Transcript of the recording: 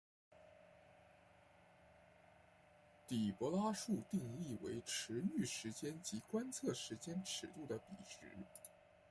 底波拉数定义为驰豫时间及观测时间尺度的比值。